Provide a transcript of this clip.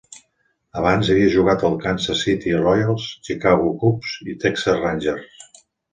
Abans havia jugat als Kansas City Royals, Chicago Cubs i Texas Rangers.